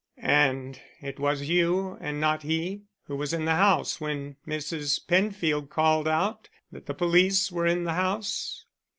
"And it was you and not he who was in the house when Mrs. Penfield called out that the police were in the house?"